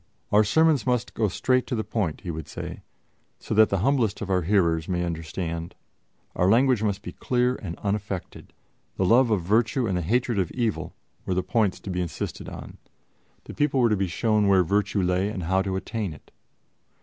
"Our sermons must go straight to the point," he would say, "so that the humblest of our hearers may understand; our language must be clear and unaffected." The love of virtue and the hatred of evil were the points to be insisted on; the people were to be shown where virtue lay and how to attain it.